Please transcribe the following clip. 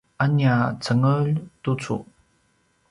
a nia cengelj tucu